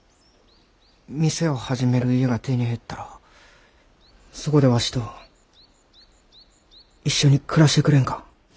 店を始める家が手に入ったらそこでわしと一緒に暮らしてくれんか？